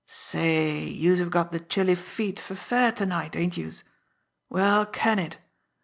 "Say, youse have got de chilly feet fer fair ter night, ain't youse! Well, can it!